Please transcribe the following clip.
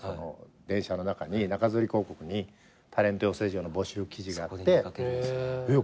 電車の中に中づり広告にタレント養成所の募集記事があってえっ